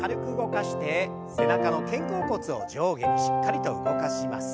背中の肩甲骨を上下にしっかりと動かします。